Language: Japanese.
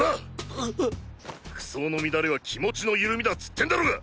あっ服装の乱れは気持ちの緩みだっつってんだろが。